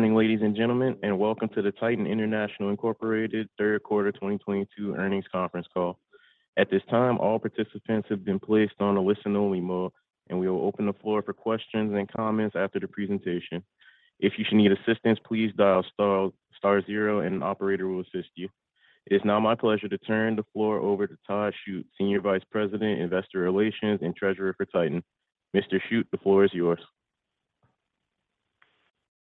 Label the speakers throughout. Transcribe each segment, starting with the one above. Speaker 1: Good morning, ladies and gentlemen, and welcome to the Titan International, Inc. third quarter 2022 earnings conference call. At this time, all participants have been placed on a listen only mode, and we will open the floor for questions and comments after the presentation. If you should need assistance, please dial star-star zero and an operator will assist you. It is now my pleasure to turn the floor over to Todd Shoot, Senior Vice President, Investor Relations & Treasurer for Titan. Mr. Shoot, the floor is yours.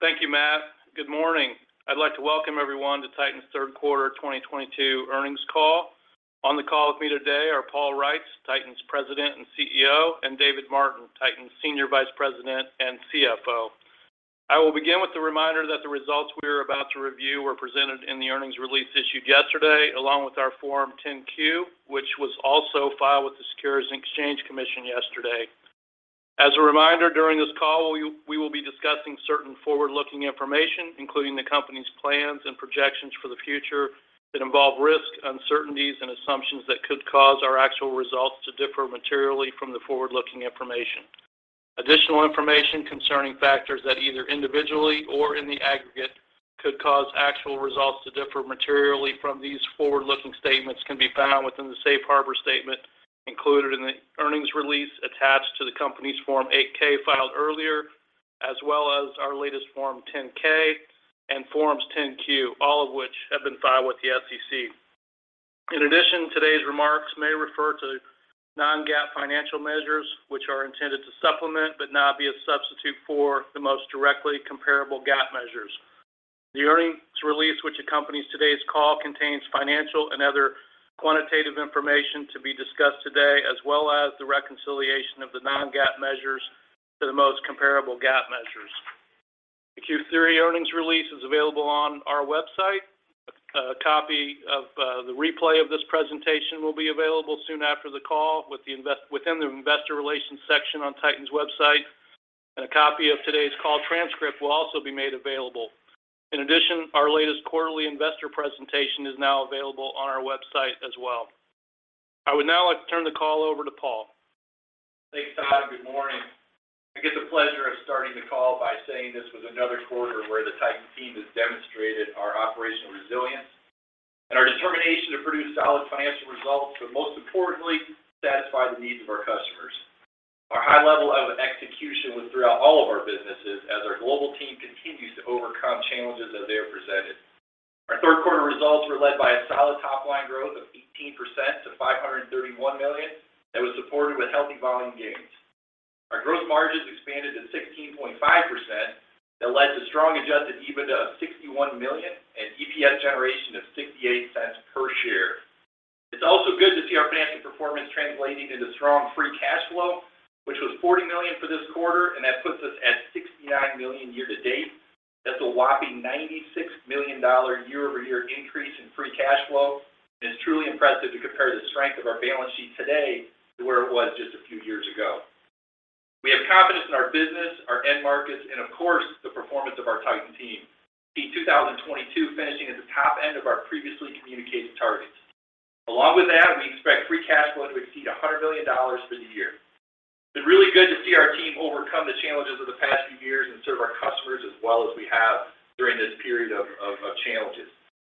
Speaker 2: Thank you, Matt. Good morning. I'd like to welcome everyone to Titan's third quarter 2022 earnings call. On the call with me today are Paul Reitz, Titan's President and CEO, and David Martin, Titan's Senior Vice President and CFO. I will begin with the reminder that the results we are about to review were presented in the earnings release issued yesterday, along with our Form 10-Q, which was also filed with the Securities and Exchange Commission yesterday. As a reminder, during this call, we will be discussing certain forward-looking information, including the company's plans and projections for the future that involve risks, uncertainties and assumptions that could cause our actual results to differ materially from the forward-looking information. Additional information concerning factors that either individually or in the aggregate could cause actual results to differ materially from these forward-looking statements can be found within the safe harbor statement included in the earnings release attached to the company's Form 8-K filed earlier, as well as our latest Form 10-K and Forms 10-Q, all of which have been filed with the SEC. In addition, today's remarks may refer to non-GAAP financial measures, which are intended to supplement, but not be a substitute for, the most directly comparable GAAP measures. The earnings release which accompanies today's call contains financial and other quantitative information to be discussed today, as well as the reconciliation of the non-GAAP measures to the most comparable GAAP measures. The Q3 earnings release is available on our website. A copy of the replay of this presentation will be available soon after the call within the investor relations section on Titan's website, and a copy of today's call transcript will also be made available. In addition, our latest quarterly investor presentation is now available on our website as well. I would now like to turn the call over to Paul.
Speaker 3: Thanks, Todd. Good morning. I get the pleasure of starting the call by saying this was another quarter where the Titan team has demonstrated our operational resilience and our determination to produce solid financial results, but most importantly, satisfy the needs of our customers. Our high level of execution was throughout all of our businesses as our global team continues to overcome challenges as they are presented. Our third quarter results were led by a solid top line growth of 18% to $531 million that was supported with healthy volume gains. Our gross margins expanded to 16.5%. That led to strong adjusted EBITDA of $61 million and EPS generation of $0.68 per share. It's also good to see our financial performance translating into strong free cash flow, which was $40 million for this quarter, and that puts us at $69 million year to date. That's a whopping $96 million year-over-year increase in free cash flow, and it's truly impressive to compare the strength of our balance sheet today to where it was just a few years ago. We have confidence in our business, our end markets and of course, the performance of our Titan team. See 2022 finishing at the top end of our previously communicated targets. Along with that, we expect free cash flow to exceed $100 million for the year. It's been really good to see our team overcome the challenges of the past few years and serve our customers as well as we have during this period of challenges.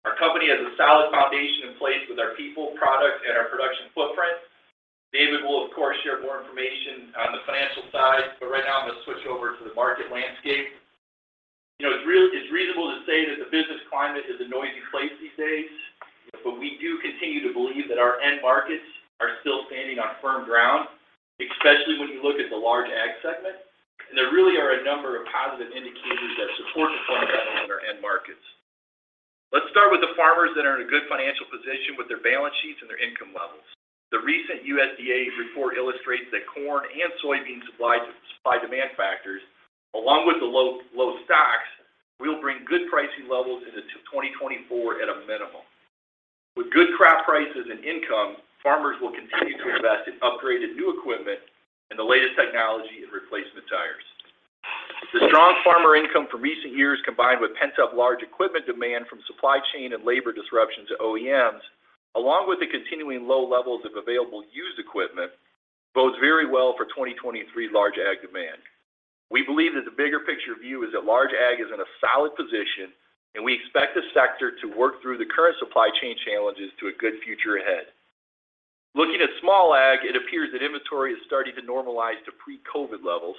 Speaker 3: Our company has a solid foundation in place with our people, product and our production footprint. David will of course share more information on the financial side, but right now I'm gonna switch over to the market landscape. You know, it's reasonable to say that the business climate is a noisy place these days, but we do continue to believe that our end markets are still standing on firm ground, especially when you look at the large ag segment. There really are a number of positive indicators that support the fundamentals in our end markets. Let's start with the farmers that are in a good financial position with their balance sheets and their income levels. The recent USDA report illustrates that corn and soybean supply demand factors, along with the low stocks, will bring good pricing levels into 2024 at a minimum. With good crop prices and income, farmers will continue to invest in upgraded new equipment and the latest technology in replacement tires. The strong farmer income from recent years, combined with pent-up large equipment demand from supply chain and labor disruptions to OEMs, along with the continuing low levels of available used equipment, bodes very well for 2023 large ag demand. We believe that the bigger picture view is that large ag is in a solid position, and we expect the sector to work through the current supply chain challenges to a good future ahead. Looking at small ag, it appears that inventory is starting to normalize to pre-COVID levels.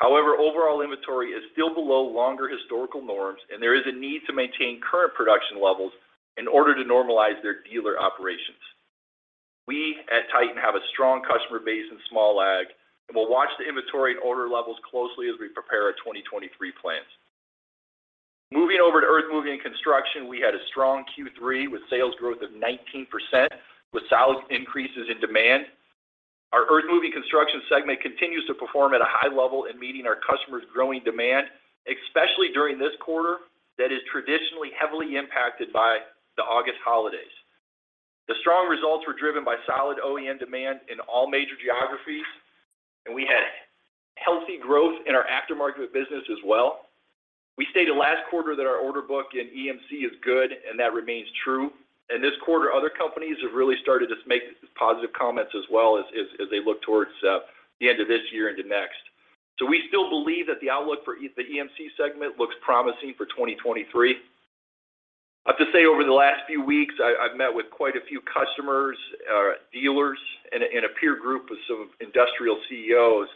Speaker 3: However, overall inventory is still below longer historical norms, and there is a need to maintain current production levels in order to normalize their dealer operations. We at Titan have a strong customer base in small ag, and we'll watch the inventory and order levels closely as we prepare our 2023 plans. Moving over to earthmoving and construction, we had a strong Q3 with sales growth of 19% with solid increases in demand. Our earthmoving construction segment continues to perform at a high level in meeting our customers' growing demand, especially during this quarter that is traditionally heavily impacted by the August holidays. The strong results were driven by solid OEM demand in all major geographies, and we had healthy growth in our aftermarket business as well. We stated last quarter that our order book in EMC is good, and that remains true. This quarter, other companies have really started to make positive comments as well as they look towards the end of this year into next. We still believe that the outlook for the EMC segment looks promising for 2023. I have to say over the last few weeks, I've met with quite a few customers, dealers in a peer group of some industrial CEOs.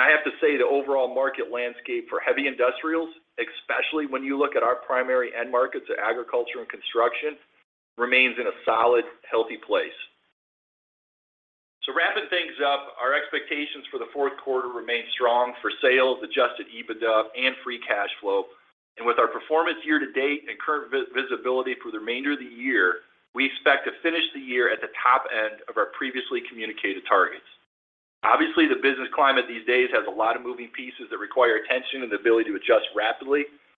Speaker 3: I have to say, the overall market landscape for heavy industrials, especially when you look at our primary end markets of agriculture and construction, remains in a solid, healthy place. Wrapping things up, our expectations for the fourth quarter remain strong for sales, adjusted EBITDA, and free cash flow. With our performance year to date and current visibility for the remainder of the year, we expect to finish the year at the top end of our previously communicated targets. Obviously, the business climate these days has a lot of moving pieces that require attention and the ability to adjust rapidly. Yeah,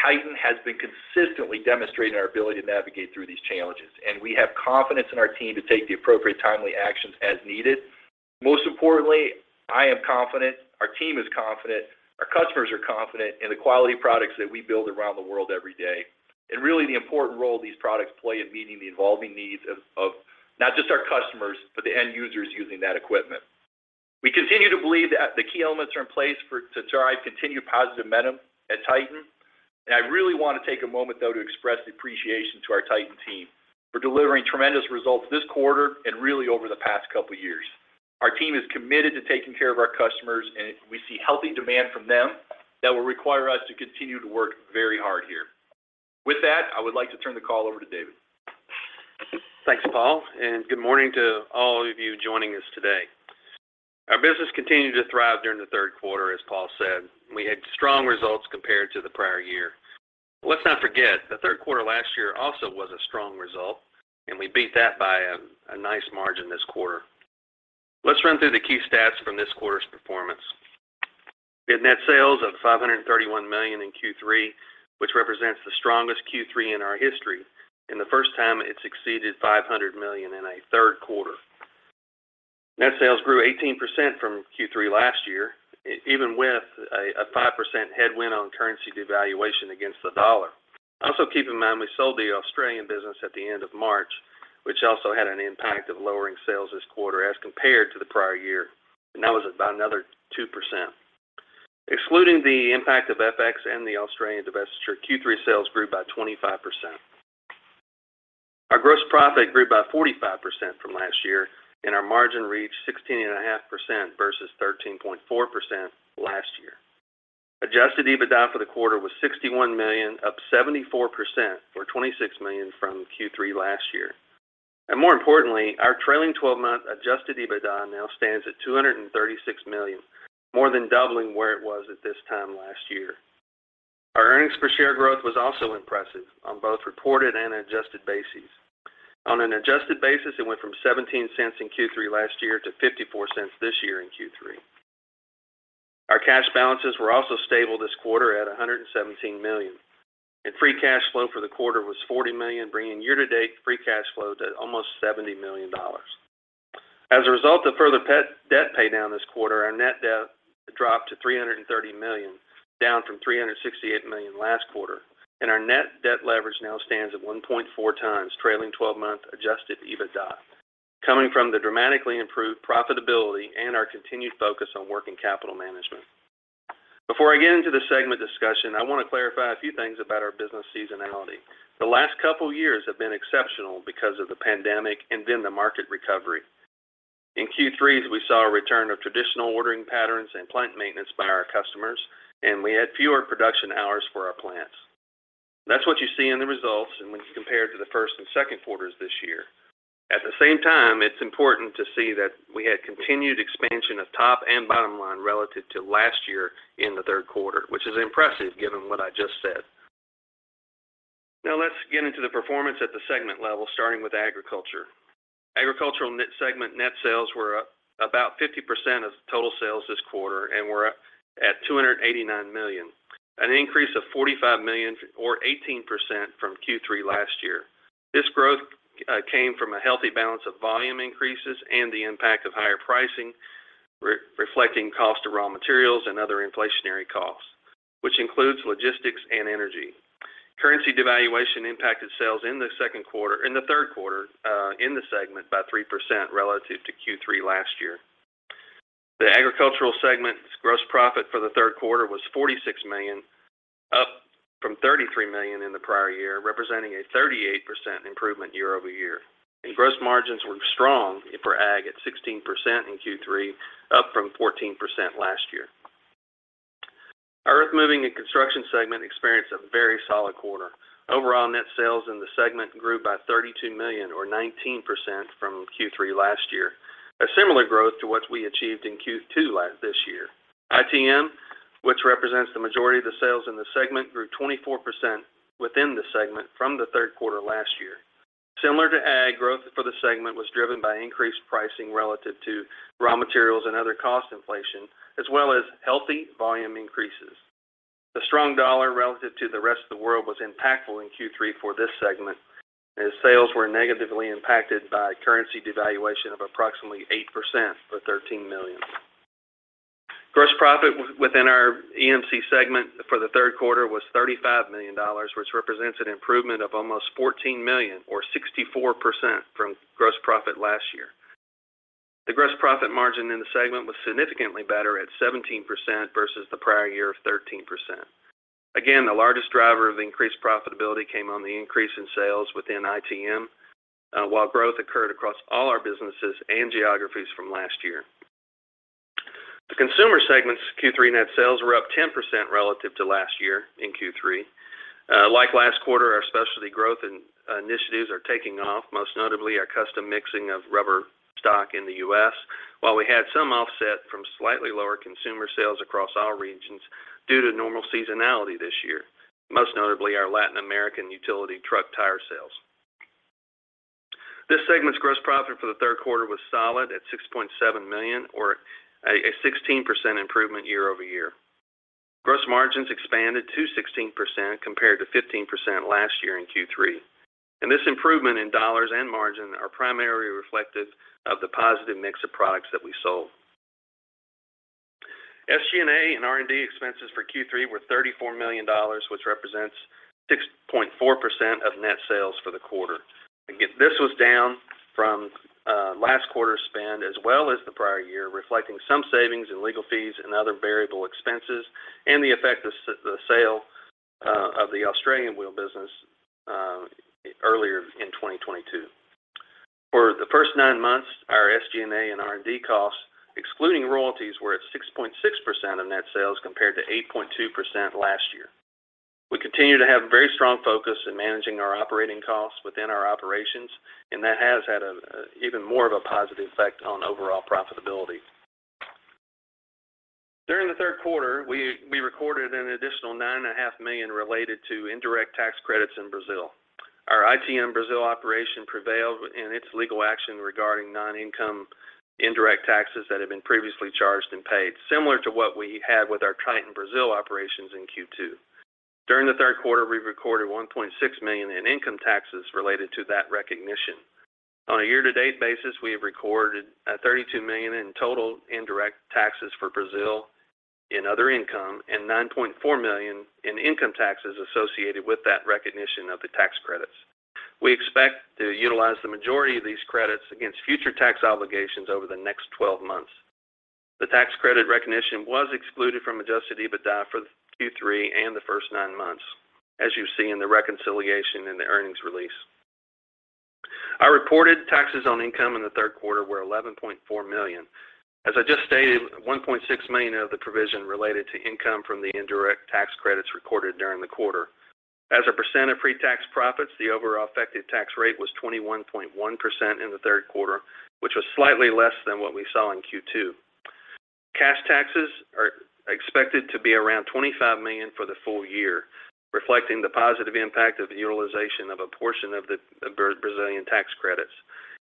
Speaker 3: Titan has been consistently demonstrating our ability to navigate through these challenges, and we have confidence in our team to take the appropriate timely actions as needed. Most importantly, I am confident, our team is confident, our customers are confident in the quality of products that we build around the world every day, and really the important role these products play in meeting the evolving needs of not just our customers, but the end users using that equipment. We continue to believe that the key elements are in place for to drive continued positive momentum at Titan. I really wanna take a moment, though, to express appreciation to our Titan team for delivering tremendous results this quarter and really over the past couple of years. Our team is committed to taking care of our customers, and we see healthy demand from them that will require us to continue to work very hard here. With that, I would like to turn the call over to David.
Speaker 4: Thanks, Paul, and good morning to all of you joining us today. Our business continued to thrive during the third quarter, as Paul said. We had strong results compared to the prior year. Let's not forget, the third quarter last year also was a strong result, and we beat that by a nice margin this quarter. Let's run through the key stats from this quarter's performance. We had net sales of $531 million in Q3, which represents the strongest Q3 in our history and the first time it's exceeded $500 million in a third quarter. Net sales grew 18% from Q3 last year, even with a 5% headwind on currency devaluation against the dollar. Also keep in mind we sold the Australian business at the end of March, which also had an impact of lowering sales this quarter as compared to the prior year, and that was about another 2%. Excluding the impact of FX and the Australian divestiture, Q3 sales grew by 25%. Our gross profit grew by 45% from last year, and our margin reached 16.5% versus 13.4% last year. Adjusted EBITDA for the quarter was $61 million, up 74%, or $26 million from Q3 last year. More importantly, our trailing 12-month adjusted EBITDA now stands at $236 million, more than doubling where it was at this time last year. Our earnings per share growth was also impressive on both reported and adjusted bases. On an adjusted basis, it went from $0.17 in Q3 last year to $0.54 this year in Q3. Our cash balances were also stable this quarter at $117 million. Free cash flow for the quarter was $40 million, bringing year-to-date free cash flow to almost $70 million. As a result of further debt pay down this quarter, our net debt dropped to $330 million, down from $368 million last quarter. Our net debt leverage now stands at 1.4 times trailing twelve-month adjusted EBITDA, coming from the dramatically improved profitability and our continued focus on working capital management. Before I get into the segment discussion, I wanna clarify a few things about our business seasonality. The last couple years have been exceptional because of the pandemic and then the market recovery. In Q3, we saw a return of traditional ordering patterns and plant maintenance by our customers, and we had fewer production hours for our plants. That's what you see in the results and when you compare it to the first and second quarters this year. At the same time, it's important to see that we had continued expansion of top and bottom line relative to last year in the third quarter, which is impressive given what I just said. Now let's get into the performance at the segment level, starting with agriculture. Agricultural net segment net sales were about 50% of total sales this quarter and were at $289 million, an increase of $45 million or 18% from Q3 last year. This growth came from a healthy balance of volume increases and the impact of higher pricing reflecting cost of raw materials and other inflationary costs, which includes logistics and energy. Currency devaluation impacted sales in the third quarter in the segment by 3% relative to Q3 last year. The agricultural segment's gross profit for the third quarter was $46 million, up from $33 million in the prior year, representing a 38% improvement year-over-year. Gross margins were strong for ag at 16% in Q3, up from 14% last year. Our earthmoving and construction segment experienced a very solid quarter. Overall net sales in the segment grew by $32 million or 19% from Q3 last year. A similar growth to what we achieved in Q2 this year. ITM, which represents the majority of the sales in the segment, grew 24% within the segment from the third quarter last year. Similar to ag, growth for the segment was driven by increased pricing relative to raw materials and other cost inflation, as well as healthy volume increases. The strong dollar relative to the rest of the world was impactful in Q3 for this segment, as sales were negatively impacted by currency devaluation of approximately 8%, or $13 million. Gross profit within our EMC segment for the third quarter was $35 million, which represents an improvement of almost $14 million or 64% from gross profit last year. The gross profit margin in the segment was significantly better at 17% versus the prior year of 13%. Again, the largest driver of increased profitability came on the increase in sales within ITM, while growth occurred across all our businesses and geographies from last year. The consumer segments Q3 net sales were up 10% relative to last year in Q3. Like last quarter, our specialty growth and initiatives are taking off, most notably our custom mixing of rubber stock in the U.S., while we had some offset from slightly lower consumer sales across all regions due to normal seasonality this year, most notably our Latin American utility truck tire sales. This segment's gross profit for the third quarter was solid at $6.7 million or a 16% improvement year-over-year. Gross margins expanded to 16% compared to 15% last year in Q3. This improvement in dollars and margin are primarily reflective of the positive mix of products that we sold. SG&A and R&D expenses for Q3 were $34 million, which represents 6.4% of net sales for the quarter. Again, this was down from last quarter's spend as well as the prior year, reflecting some savings in legal fees and other variable expenses and the effect of the sale of the Australian wheel business earlier in 2022. For the first nine months, our SG&A and R&D costs, excluding royalties, were at 6.6% of net sales compared to 8.2% last year. We continue to have very strong focus in managing our operating costs within our operations, and that has had an even more of a positive effect on overall profitability. During the third quarter, we recorded an additional $9.5 million related to indirect tax credits in Brazil. Our ITM Brazil operation prevailed in its legal action regarding non-income indirect taxes that had been previously charged and paid, similar to what we had with our Titan Brazil operations in Q2. During the third quarter, we recorded $1.6 million in income taxes related to that recognition. On a year-to-date basis, we have recorded $32 million in total indirect taxes for Brazil in other income and $9.4 million in income taxes associated with that recognition of the tax credits. We expect to utilize the majority of these credits against future tax obligations over the next twelve months. The tax credit recognition was excluded from adjusted EBITDA for Q3 and the first nine months, as you see in the reconciliation in the earnings release. Our reported taxes on income in the third quarter were $11.4 million. As I just stated, $1.6 million of the provision related to income from the indirect tax credits recorded during the quarter. As a percent of pre-tax profits, the overall effective tax rate was 21.1% in the third quarter, which was slightly less than what we saw in Q2. Cash taxes are expected to be around $25 million for the full year, reflecting the positive impact of the utilization of a portion of the Brazilian tax credits.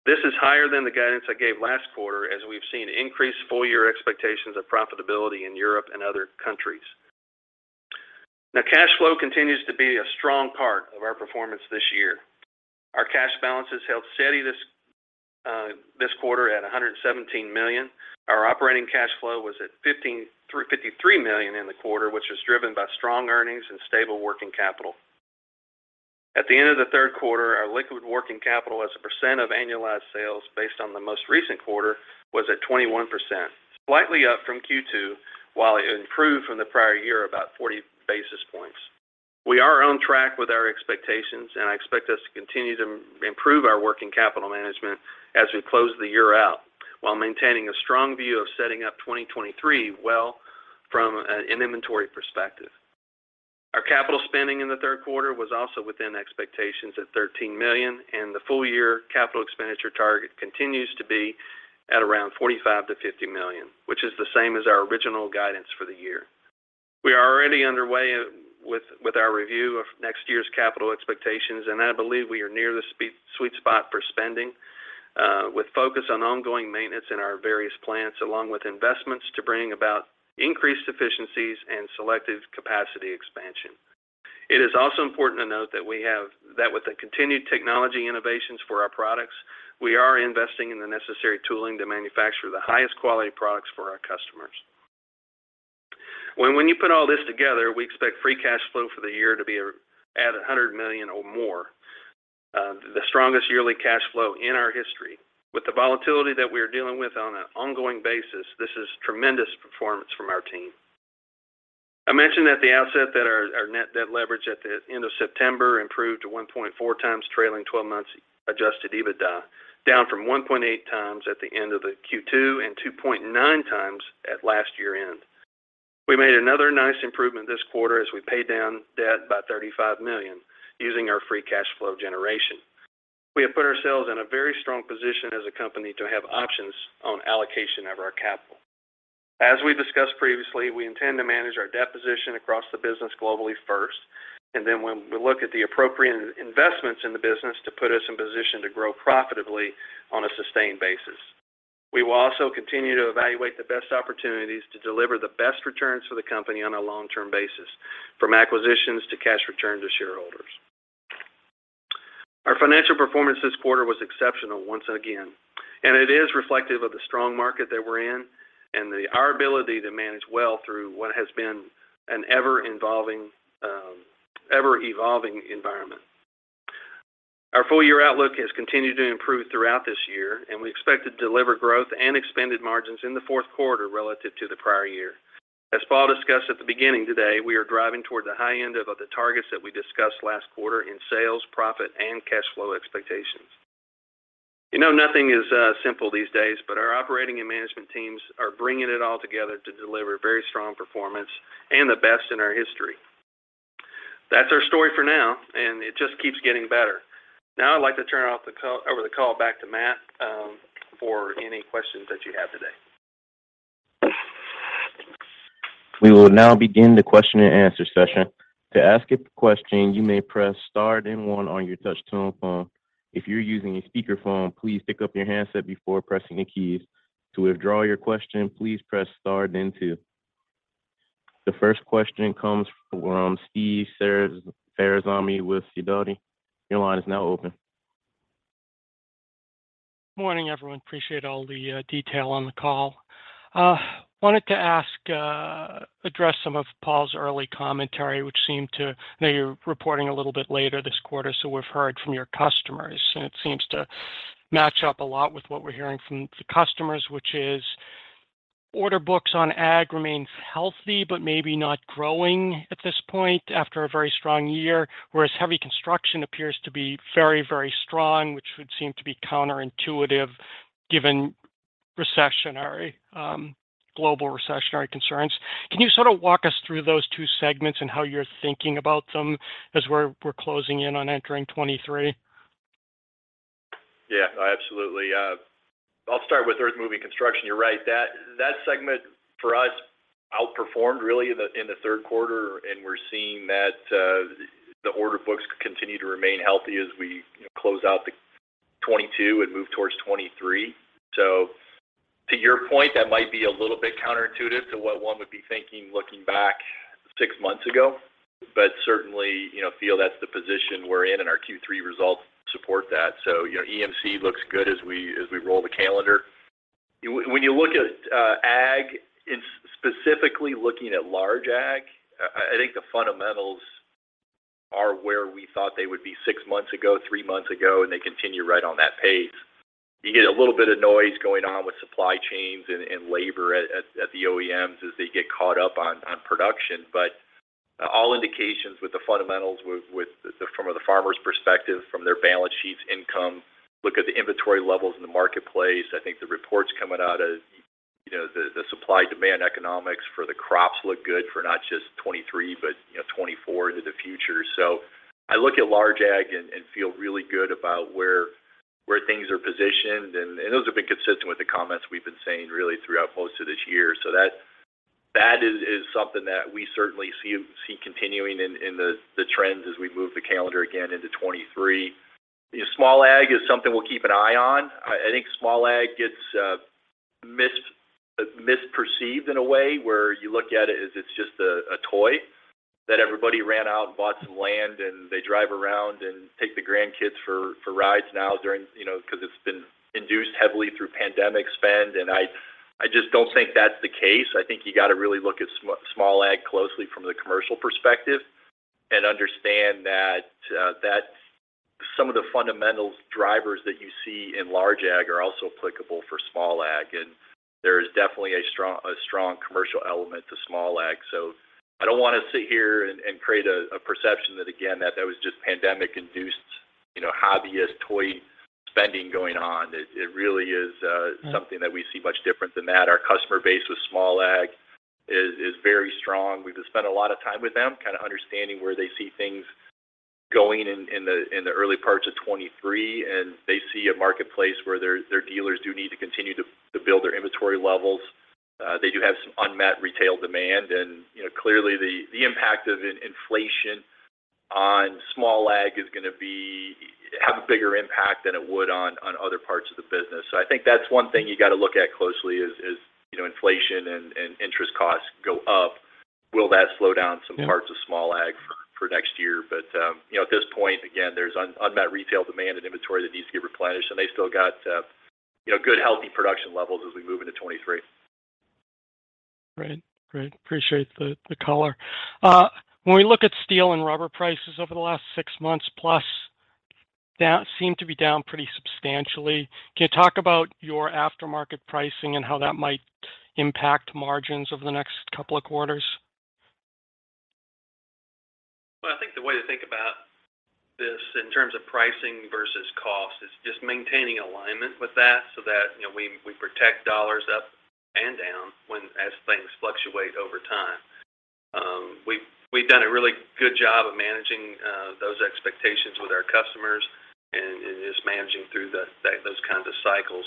Speaker 4: This is higher than the guidance I gave last quarter as we've seen increased full year expectations of profitability in Europe and other countries. Now cash flow continues to be a strong part of our performance this year. Our cash balances held steady this quarter at $117 million. Our operating cash flow was at $53 million in the quarter, which was driven by strong earnings and stable working capital. At the end of the third quarter, our liquid working capital as a percent of annualized sales based on the most recent quarter was at 21%, slightly up from Q2, while it improved from the prior year about 40 basis points. We are on track with our expectations, and I expect us to continue to improve our working capital management as we close the year out while maintaining a strong view of setting up 2023 well from an inventory perspective. Our capital spending in the third quarter was also within expectations at $13 million, and the full year capital expenditure target continues to be at around $45-50 million, which is the same as our original guidance for the year. We are already underway with our review of next year's capital expenditures, and I believe we are near the sweet spot for spending with focus on ongoing maintenance in our various plants, along with investments to bring about increased efficiencies and selective capacity expansion. It is also important to note that with the continued technology innovations for our products, we are investing in the necessary tooling to manufacture the highest quality products for our customers. When you put all this together, we expect free cash flow for the year to be at $100 million or more, the strongest yearly cash flow in our history. With the volatility that we are dealing with on an ongoing basis, this is tremendous performance from our team. I mentioned at the outset that our net debt leverage at the end of September improved to 1.4 times trailing twelve months adjusted EBITDA, down from 1.8 times at the end of the Q2 and 2.9 times at last year-end. We made another nice improvement this quarter as we paid down debt by $35 million using our free cash flow generation. We have put ourselves in a very strong position as a company to have options on allocation of our capital. As we discussed previously, we intend to manage our debt position across the business globally first, and then we'll look at the appropriate investments in the business to put us in position to grow profitably on a sustained basis. We will also continue to evaluate the best opportunities to deliver the best returns for the company on a long-term basis, from acquisitions to cash returns to shareholders. Our financial performance this quarter was exceptional once again, and it is reflective of the strong market that we're in and our ability to manage well through what has been an ever-evolving environment. Our full year outlook has continued to improve throughout this year, and we expect to deliver growth and expanded margins in the fourth quarter relative to the prior year. As Paul discussed at the beginning today, we are driving toward the high end of the targets that we discussed last quarter in sales, profit, and cash flow expectations. You know, nothing is simple these days, but our operating and management teams are bringing it all together to deliver very strong performance and the best in our history. That's our story for now, and it just keeps getting better. Now I'd like to turn over the call back to Matt for any questions that you have today.
Speaker 1: We will now begin the question and answer session. To ask a question, you may press star then one on your touch-tone phone. If you're using a speakerphone, please pick up your handset before pressing the keys. To withdraw your question, please press star then two. The first question comes from Steve Ferazani with Sidoti. Your line is now open.
Speaker 5: Morning, everyone. Appreciate all the detail on the call. Wanted to address some of Paul's early commentary, which seemed to, I know you're reporting a little bit later this quarter, so we've heard from your customers, and it seems to match up a lot with what we're hearing from the customers, which is order books on ag remain healthy, but maybe not growing at this point after a very strong year. Whereas heavy construction appears to be very, very strong, which would seem to be counterintuitive given recessionary global recessionary concerns. Can you sort of walk us through those two segments and how you're thinking about them as we're closing in on entering 2023?
Speaker 3: Yeah, absolutely. I'll start with earthmoving construction. You're right. That segment for us outperformed really in the third quarter, and we're seeing that the order books continue to remain healthy as we close out the 2022 and move towards 2023. To your point, that might be a little bit counterintuitive to what one would be thinking looking back six months ago. Certainly, you know, feel that's the position we're in, and our Q3 results support that. You know, EMC looks good as we roll the calendar. When you look at ag, and specifically looking at large ag, I think the fundamentals are where we thought they would be six months ago, three months ago, and they continue right on that pace. You get a little bit of noise going on with supply chains and labor at the OEMs as they get caught up on production. All indications with the fundamentals from the farmer's perspective, from their balance sheets, income, look at the inventory levels in the marketplace. I think the reports coming out of, you know, the supply-demand economics for the crops look good for not just 2023, but you know, 2024 into the future. I look at large ag and feel really good about where things are positioned. Those have been consistent with the comments we've been saying really throughout most of this year. That is something that we certainly see continuing in the trends as we move the calendar again into 2023. Small ag is something we'll keep an eye on. I think small ag gets misperceived in a way where you look at it as it's just a toy that everybody ran out and bought some land, and they drive around and take the grandkids for rides now during, you know, 'cause it's been induced heavily through pandemic spend. I just don't think that's the case. I think you got to really look at small ag closely from the commercial perspective and understand that some of the fundamental drivers that you see in large ag are also applicable for small ag, and there is definitely a strong commercial element to small ag. I don't wanna sit here and create a perception that again, that was just pandemic induced, you know, hobbyist toy spending going on. It really is something that we see much different than that. Our customer base with small ag is very strong. We've spent a lot of time with them kinda understanding where they see things going in the early parts of 2023, and they see a marketplace where their dealers do need to continue to build their inventory levels. They do have some unmet retail demand. You know, clearly the impact of inflation on small ag is gonna have a bigger impact than it would on other parts of the business. I think that's one thing you gotta look at closely is, you know, inflation and interest costs go up. Will that slow down some parts of small ag for next year? you know, at this point, again, there's unmet retail demand and inventory that needs to get replenished, and they still got, you know, good, healthy production levels as we move into 2023.
Speaker 5: Great. Appreciate the color. When we look at steel and rubber prices over the last six months plus, seem to be down pretty substantially. Can you talk about your aftermarket pricing and how that might impact margins over the next couple of quarters?
Speaker 3: Well, I think the way to think about this in terms of pricing versus cost is just maintaining alignment with that so that, you know, we protect dollars up and down when, as things fluctuate over time. We've done a really good job of managing those expectations with our customers and just managing through, like, those kinds of cycles.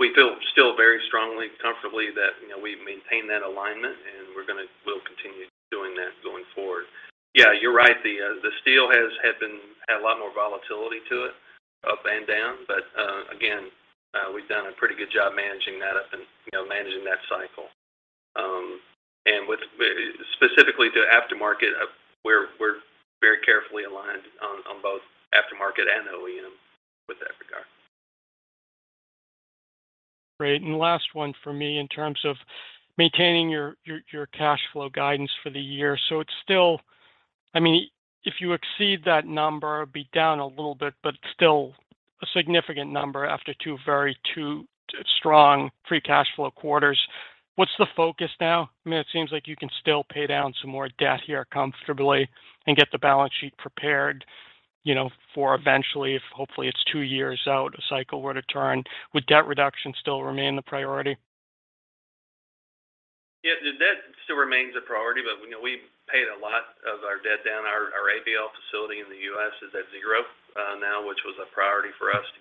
Speaker 3: We feel still very strongly, comfortably that, you know, we maintain that alignment, and we'll continue doing that going forward. Yeah, you're right. The steel had a lot more volatility to it up and down. Again, we've done a pretty good job managing that up and, you know, managing that cycle. And with specifically the aftermarket, we're very carefully aligned on both aftermarket and OE.
Speaker 5: Great. Last one for me in terms of maintaining your cash flow guidance for the year. It's still I mean, if you exceed that number, it'd be down a little bit, but still a significant number after two very strong free cash flow quarters. What's the focus now? I mean, it seems like you can still pay down some more debt here comfortably and get the balance sheet prepared, you know, for eventually, if hopefully it's two years out, a cycle were to turn. Would debt reduction still remain the priority?
Speaker 3: Yeah. The debt still remains a priority, but, you know, we paid a lot of our debt down. Our ABL facility in the U.S. is at zero now, which was a priority for us to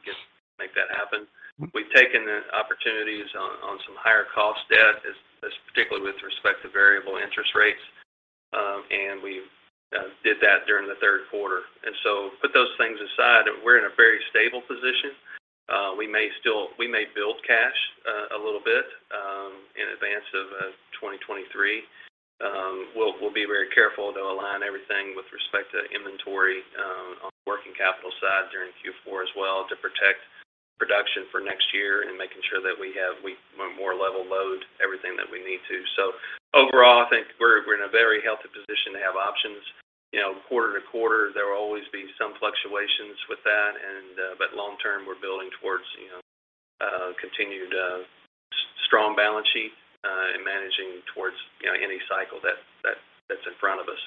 Speaker 3: make that happen. We've taken the opportunities on some higher cost debt, particularly with respect to variable interest rates. We did that during the third quarter. Put those things aside, and we're in a very stable position. We may build cash a little bit in advance of 2023. We'll be very careful to align everything with respect to inventory on the working capital side during Q4 as well to protect production for next year and making sure that we more level load everything that we need to. Overall, I think we're in a very healthy position to have options. You know, quarter to quarter, there will always be some fluctuations with that. But long term, we're building towards, you know, continued strong balance sheet, and managing towards, you know, any cycle that that's in front of us.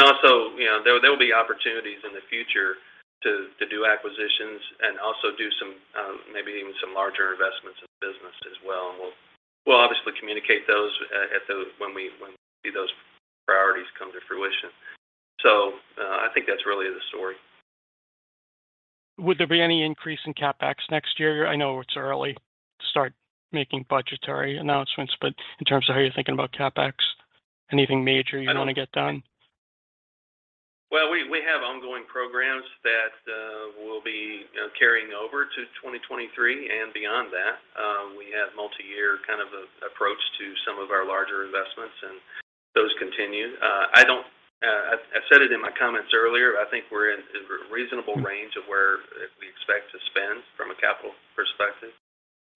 Speaker 3: Also, you know, there will be opportunities in the future to do acquisitions and also do some maybe even some larger investments in business as well. We'll obviously communicate those when we see those priorities come to fruition. I think that's really the story.
Speaker 5: Would there be any increase in CapEx next year? I know it's early to start making budgetary announcements, but in terms of how you're thinking about CapEx, anything major you wanna get done?
Speaker 3: We have ongoing programs that we'll be, you know, carrying over to 2023. Beyond that, we have multiyear kind of a approach to some of our larger investments, and those continue. I said it in my comments earlier. I think we're in reasonable range of where we expect to spend from a capital perspective.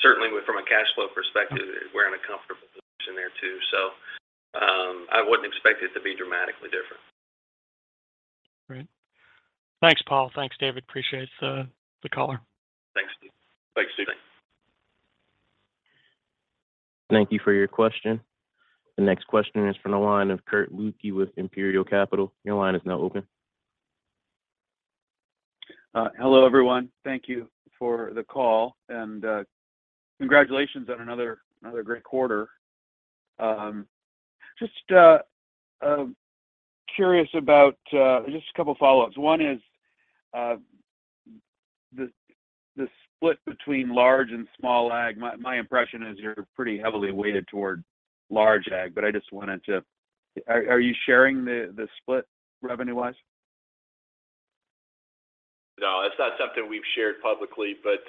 Speaker 3: Certainly from a cash flow perspective, we're in a comfortable position there too. I wouldn't expect it to be dramatically different.
Speaker 5: Great. Thanks, Paul. Thanks, David. Appreciate the call.
Speaker 3: Thanks, Steve.
Speaker 1: Thank you for your question. The next question is from the line of Kirk Ludtke with Imperial Capital. Your line is now open.
Speaker 6: Hello, everyone. Thank you for the call, and congratulations on another great quarter. Just a couple follow-ups. One is the split between large and small ag. My impression is you're pretty heavily weighted toward large ag, but I just wanted to. Are you sharing the split revenue-wise?
Speaker 3: No, that's not something we've shared publicly, but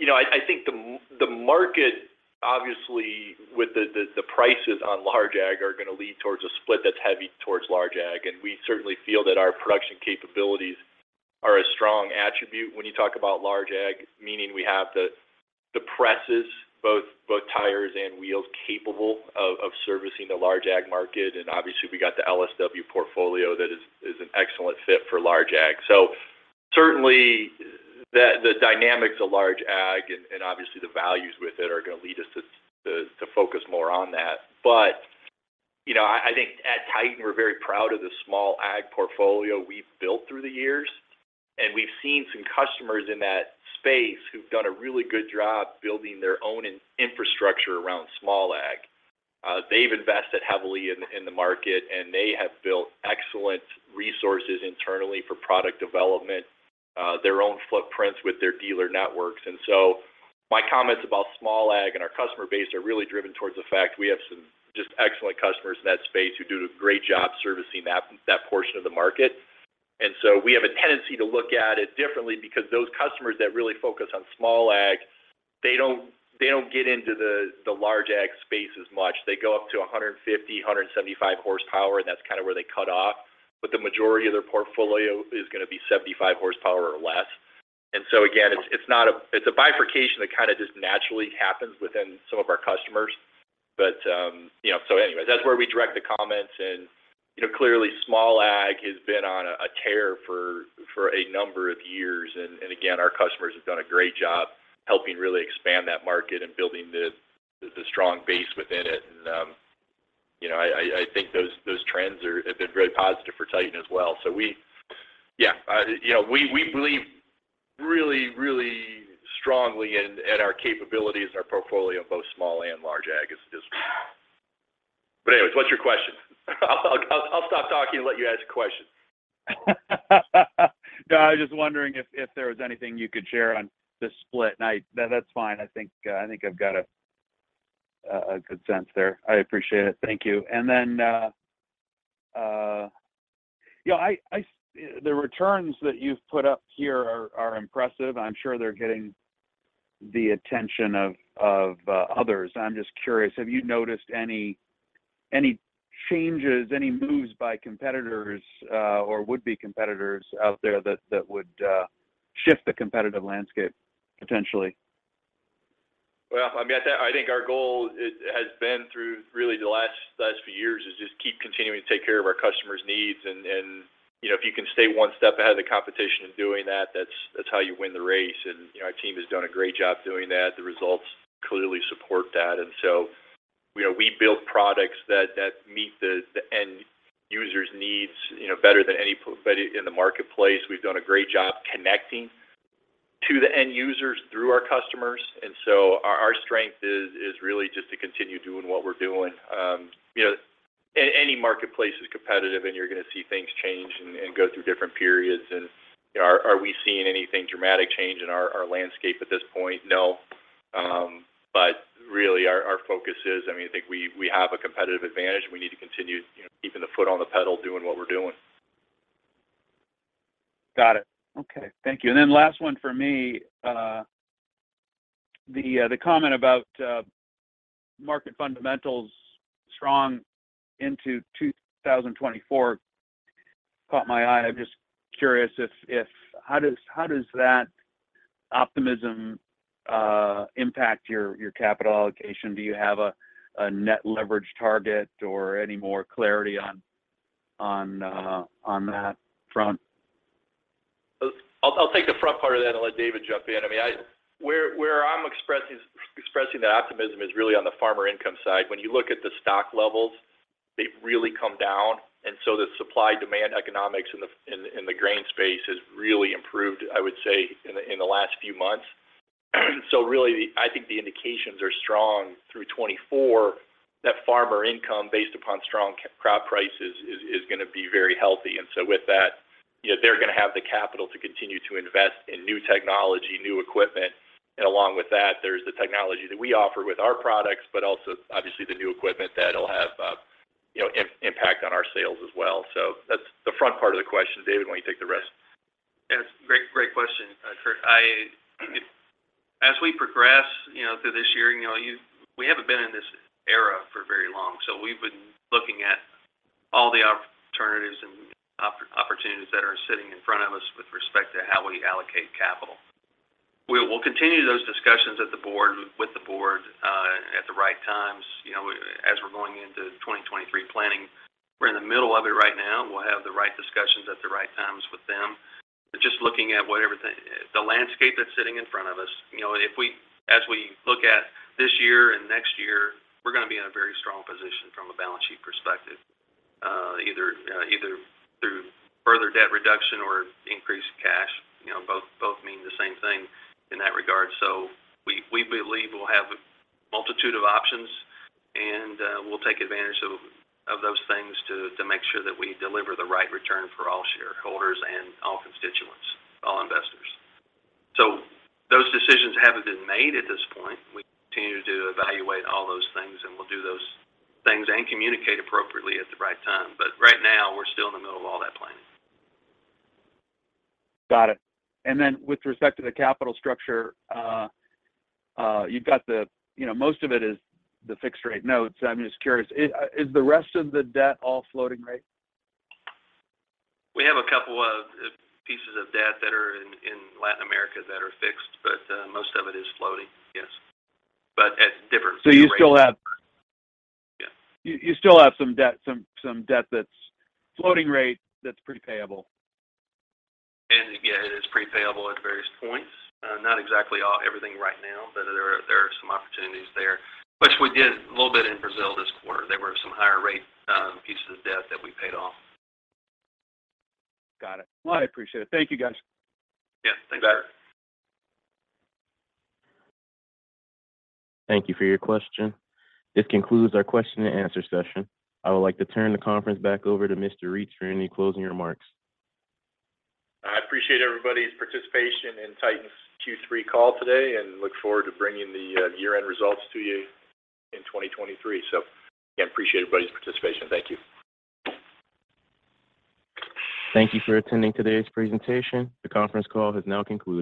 Speaker 3: you know, I think the market, obviously with the prices on large ag are gonna lead towards a split that's heavy towards large ag. We certainly feel that our production capabilities are a strong attribute when you talk about large ag, meaning we have the presses, both tires and wheels capable of servicing the large ag market. Obviously we got the LSW portfolio that is an excellent fit for large ag. Certainly the dynamics of large ag and obviously the values with it are gonna lead us to focus more on that. You know, I think at Titan we're very proud of the small ag portfolio we've built through the years. We've seen some customers in that space who've done a really good job building their own infrastructure around small ag. They've invested heavily in the market, and they have built excellent resources internally for product development, their own footprints with their dealer networks. My comments about small ag and our customer base are really driven towards the fact we have some just excellent customers in that space who do a great job servicing that portion of the market. We have a tendency to look at it differently because those customers that really focus on small ag, they don't get into the large ag space as much. They go up to 150, 175 horsepower, and that's kind of where they cut off. The majority of their portfolio is gonna be 75 horsepower or less. Again, it's a bifurcation that kind of just naturally happens within some of our customers. You know. Anyways, that's where we direct the comments. You know, clearly small ag has been on a tear for a number of years. Again, our customers have done a great job helping really expand that market and building the strong base within it. You know, I think those trends have been very positive for Titan as well. We. Yeah. You know, we believe really strongly in our capabilities and our portfolio of both small and large ag is really. Anyways, what's your question? I'll stop talking and let you ask your question.
Speaker 6: No, I was just wondering if there was anything you could share on the split. No, that's fine. I think I've got a good sense there. I appreciate it. Thank you. You know, the returns that you've put up here are impressive. I'm sure they're getting the attention of others. I'm just curious, have you noticed any changes, any moves by competitors or would-be competitors out there that would shift the competitive landscape potentially?
Speaker 3: Well, I mean, I think our goal has been through really the last few years is just keep continuing to take care of our customers' needs. You know, if you can stay one step ahead of the competition in doing that's how you win the race. You know, our team has done a great job doing that. The results clearly support that. You know, we build products that meet the end user's needs, you know, better than anybody in the marketplace. We've done a great job connecting to the end users through our customers. Our strength is really just to continue doing what we're doing. You know, any marketplace is competitive and you're gonna see things change and go through different periods. You know, are we seeing anything dramatic change in our landscape at this point? No. But really our focus is. I mean, I think we have a competitive advantage and we need to continue, you know, keeping the foot on the pedal doing what we're doing.
Speaker 6: Got it. Okay. Thank you. Last one for me. The comment about market fundamentals strong into 2024 caught my eye. I'm just curious if how does that optimism impact your capital allocation? Do you have a net leverage target or any more clarity on that front?
Speaker 3: I'll take the front part of that and let David jump in. I mean, where I'm expressing the optimism is really on the farmer income side. When you look at the stock levels, they've really come down, and so the supply-demand economics in the grain space has really improved, I would say, in the last few months. Really, I think the indications are strong through 2024 that farmer income based upon strong crop prices is gonna be very healthy. With that, you know, they're gonna have the capital to continue to invest in new technology, new equipment. Along with that, there's the technology that we offer with our products, but also obviously the new equipment that'll have, you know, impact on our sales as well. That's the front part of the question. David, why don't you take the rest?
Speaker 4: Yes. Great question, Kirk. As we progress, you know, through this year, you know, we haven't been in this era for very long, so we've been looking at all the alternatives and opportunities that are sitting in front of us with respect to how we allocate capital. We will continue those discussions with the board at the right times, you know, as we're going into 2023 planning. We're in the middle of it right now. We'll have the right discussions at the right times with them. Just looking at whatever the landscape that's sitting in front of us. You know, as we look at this year and next year, we're gonna be in a very strong position from a balance sheet perspective, either through further debt reduction or increased cash. You know, both mean the same thing in that regard. We believe we'll have a multitude of options and, we'll take advantage of those things to make sure that we deliver the right return for all shareholders and all constituents, all investors. Those decisions haven't been made at this point. We continue to evaluate all those things, and we'll do those things and communicate appropriately at the right time. Right now, we're still in the middle of all that planning.
Speaker 6: Got it. With respect to the capital structure, you've got the, you know, most of it is the fixed rate notes. I'm just curious. Is the rest of the debt all floating rate?
Speaker 4: We have a couple of pieces of debt that are in Latin America that are fixed, but most of it is floating. Yes. At different rates.
Speaker 6: You still have.
Speaker 4: Yeah.
Speaker 6: You still have some debt that's floating rate that's prepayable.
Speaker 4: Again, it is prepayable at various points. Not exactly all everything right now, but there are some opportunities there, which we did a little bit in Brazil this quarter. There were some higher rate pieces of debt that we paid off.
Speaker 6: Got it. Well, I appreciate it. Thank you, guys.
Speaker 4: Yes. Thank you.
Speaker 3: You bet.
Speaker 1: Thank you for your question. This concludes our question and answer session. I would like to turn the conference back over to Mr. Reitz for any closing remarks.
Speaker 3: I appreciate everybody's participation in Titan's Q3 call today, and look forward to bringing the year-end results to you in 2023. Again, appreciate everybody's participation. Thank you.
Speaker 1: Thank you for attending today's presentation. The conference call has now concluded.